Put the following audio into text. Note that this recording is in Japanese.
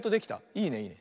いいねいいね。